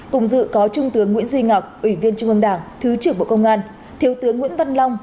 cùng dự có trung tướng nguyễn duy ngọc ủy viên trung ương đảng thứ trưởng bộ công an thiếu tướng nguyễn văn long